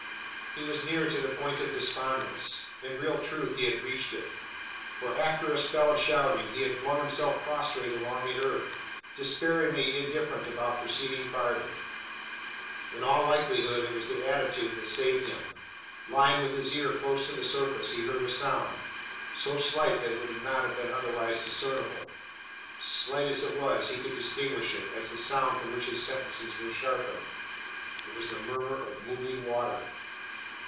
He was near to the point of despondence in real truth, he had reached it: for after a spell of shouting he had flung himself prostrate along the earth, despairingly indifferent about proceeding farther. In all likelihood it was the attitude that saved him. Lying with his ear close to the surface, he heard a sound so slight, that it would not have been otherwise discernible. Slight as it was, he could distinguish it, as the very sound for which his senses were sharpened. It was the murmur of moving water!